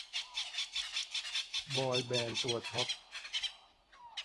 บอยแบนด์ตัวท็อป